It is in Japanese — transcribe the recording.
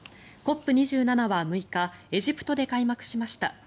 ＣＯＰ２７は６日エジプトで開幕しました。